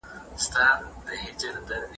تاسي ولي له ټکنالوژۍ څخه سمه ګټه نه اخلئ؟